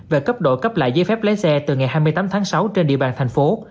về cấp độ cấp lại giấy phép lái xe từ ngày hai mươi tám tháng sáu trên địa bàn thành phố